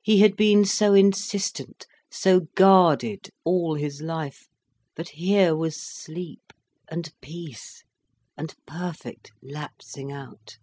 He had been so insistent, so guarded, all his life. But here was sleep, and peace, and perfect lapsing out.